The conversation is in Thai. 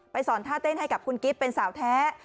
สอนท่าเต้นให้กับคุณกิฟต์เป็นสาวแท้